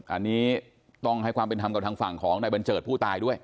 อันนี้ต้องให้ความเป็นธรรมกับทางฝั่งของนายบัญเจิดผู้ตายด้วย